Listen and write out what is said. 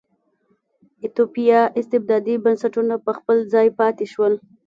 د ایتوپیا استبدادي بنسټونه په خپل ځای پاتې شول.